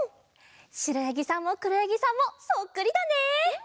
しろやぎさんもくろやぎさんもそっくりだね！